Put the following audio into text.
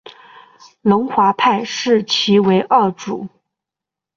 龙华派视其为二祖。